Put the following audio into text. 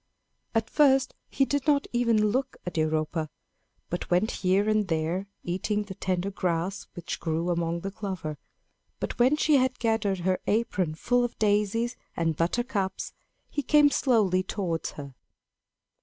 At first he did not even look at Europa, but went here and there, eating the tender grass which grew among the clover. But when she had gathered her apron full of daisies and buttercups, he came slowly towards her.